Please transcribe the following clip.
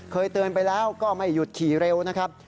เคยเตือนไปแล้วก็ไม่หยุดขี่เร็วนะครับ